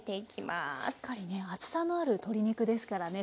しっかりね厚さのある鶏肉ですからね